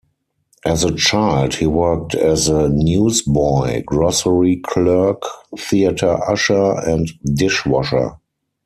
As a child, he worked as a newsboy, grocery clerk, theater usher, and dishwasher.